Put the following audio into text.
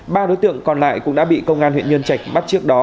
ba đối tượng còn lại cũng đã bị công an huyện nhơn chạch bắt trước đó